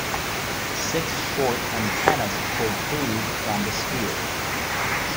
Six short antennas protrude from the sphere.